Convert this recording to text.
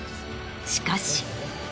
しかし。